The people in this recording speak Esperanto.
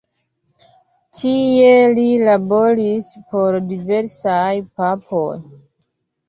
Tie li laboris por diversaj papoj.